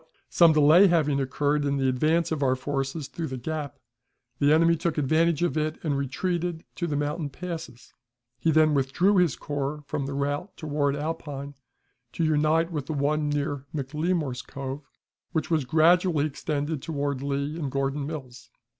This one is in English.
But, some delay having occurred in the advance of our forces through the gap, the enemy took advantage of it and retreated to the mountain passes. He then withdrew his corps from the route toward Alpine to unite with the one near McLemore's Cove, which was gradually extended toward Lee and Gordon's Mills.